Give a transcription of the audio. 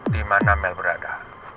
dimana mel berada